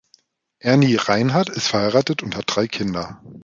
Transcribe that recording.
Ernie Reinhardt ist verheiratet und hat drei Kinder.